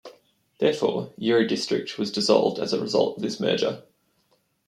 Therefore, Yuri District was dissolved as a result of this merger.